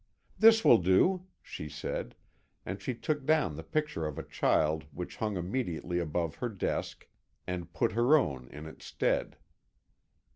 "This will do," she said, and she took down the picture of a child which hung immediately above her desk, and put her own in its stead.